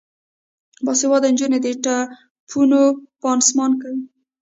باسواده نجونې د ټپونو پانسمان کوي.